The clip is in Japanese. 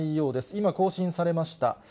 今、更新されました。